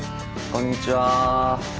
こんにちは。